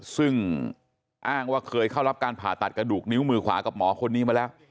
ซึ่งอ้างว่าเคยเข้ารับการผ่าตัดกระดูกนิ้วมือขวากับหมอคนนี้มาแล้ว